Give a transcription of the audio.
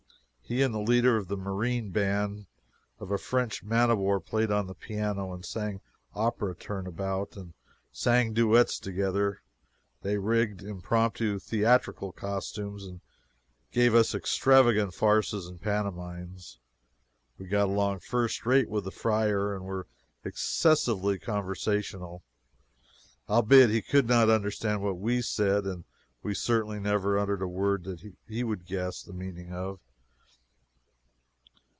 He and the leader of the marine band of a French man of war played on the piano and sang opera turn about; they sang duets together; they rigged impromptu theatrical costumes and gave us extravagant farces and pantomimes. We got along first rate with the friar, and were excessively conversational, albeit he could not understand what we said, and certainly he never uttered a word that we could guess the meaning of.